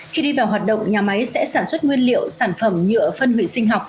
khi đi vào hoạt động nhà máy sẽ sản xuất nguyên liệu sản phẩm nhựa phân hủy sinh học